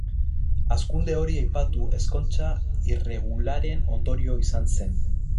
Hazkunde hori aipatu ezkontza irregularren ondorio izan zen.